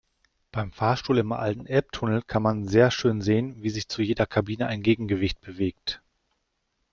Beim Fahrstuhl im alten Elbtunnel kann man sehr schön sehen, wie sich zu jeder Kabine ein Gegengewicht bewegt.